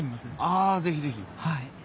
あ是非是非！